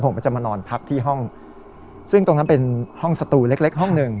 ผมก็จะมานอนพักที่ห้องซึ่งตรงนั้นเป็นห้องสตูเล็กเล็กห้องหนึ่ง